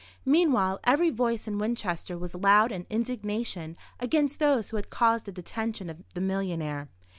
Meanwhile every voice in Winchester was loud in indignation against those who had caused the detention of the millionaire.